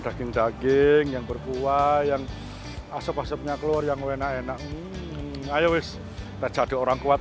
daging daging yang berkuah yang asap asapnya keluar yang enak enak ayo wis terjadi orang